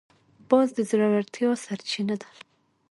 باز د زړورتیا سرچینه ده